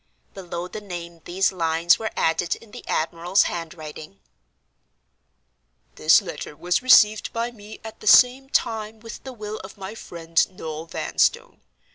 Below the name these lines were added in the admiral's handwriting: "This letter was received by me at the same time with the will of my friend, Noel Vanstone.